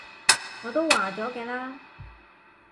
我都話咗嘅啦